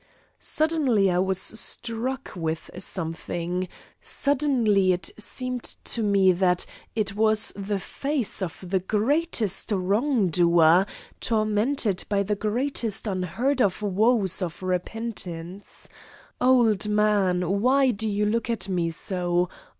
Suddenly I was struck with something; suddenly it seemed to me that it was the face of the greatest wrongdoer, tormented by the greatest unheard of woes of repentance Old man, why do you look at me so!